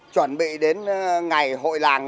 chuẩn bị đến ngày hội làng